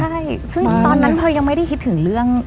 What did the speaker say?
ใช่ซึ่งตอนนั้นเธอยังไม่ได้คิดถึงเรื่อง